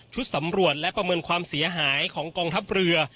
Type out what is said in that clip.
สำรวจและประเมินความเสียหายของกองทัพเรือ